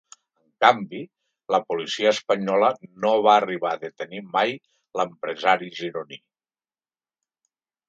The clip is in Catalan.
En canvi, la policia espanyola no va arribar a detenir mai l’empresari gironí.